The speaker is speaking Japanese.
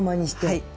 はい。